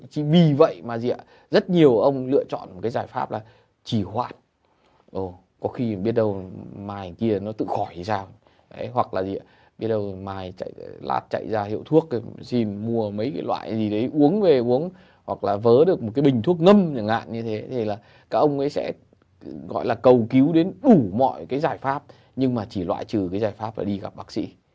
chỉ vì vậy mà rất nhiều ông lựa chọn một cái giải pháp là chỉ hoạt